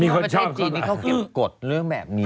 มีคนชอบเพราะประเทศจีนเขาเก็บกฎเรื่องแบบนี้